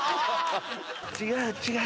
違う違う！